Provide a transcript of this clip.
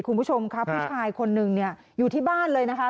คุณผู้ชมค่ะผู้ชายคนนึงเนี่ยอยู่ที่บ้านเลยนะคะ